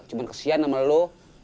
cuma kesian sama lu